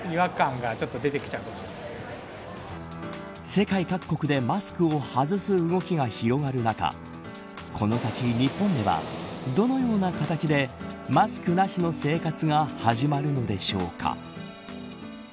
世界各国でマスクを外す動きが広がる中この先、日本ではどのような形でマスクなしの生活が始まるのでしょうか。